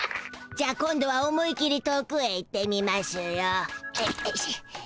じゃあ今度は思い切り遠くへ行ってみましゅよ。